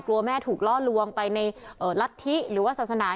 แม่ถูกล่อลวงไปในรัฐธิหรือว่าศาสนา